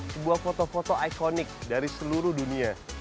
sebuah foto foto ikonik dari seluruh dunia